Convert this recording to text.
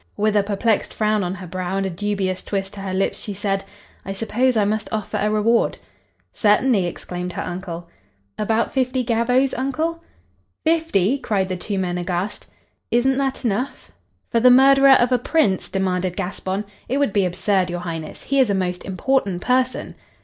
With a perplexed frown on her brow and a dubious twist to her lips, she said; "I suppose I must offer a reward." "Certainly!" exclaimed her uncle. "About fifty gavvos, uncle?" "Fifty!" cried the two men, aghast. "Isn't that enough?" "For the murderer of a prince?" demanded Gaspon. "It would be absurd, your Highness. He is a most important person."